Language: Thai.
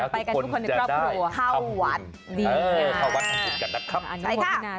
ไปกันทุกคนในครอบครัวเข้าวัดเออเข้าวัดกันดีกันนะครับใช่ค่ะ